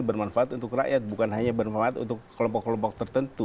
bermanfaat untuk rakyat bukan hanya bermanfaat untuk kelompok kelompok tertentu